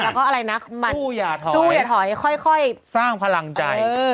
แล้วก็อะไรน่ะมันสู้อย่าถอยสู้อย่าถอยค่อยค่อยสร้างพลังใจเออ